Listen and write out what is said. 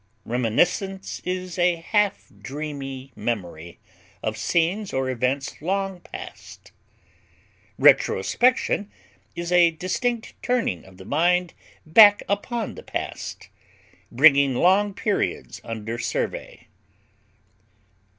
Reminiscence is a half dreamy memory of scenes or events long past; retrospection is a distinct turning of the mind back upon the past, bringing long periods under survey.